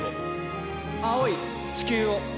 青い地球を。